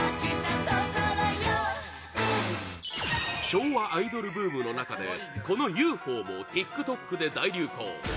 昭和アイドルブームの中でこの「ＵＦＯ」もＴｉｋＴｏｋで大流行